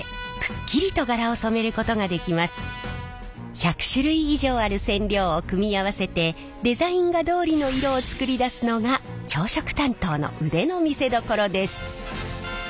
１００種類以上ある染料を組み合わせてデザイン画どおりの色を作り出すのが調色担当の腕の見せどころです。